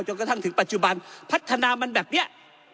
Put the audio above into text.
กระทั่งถึงปัจจุบันพัฒนามันแบบนี้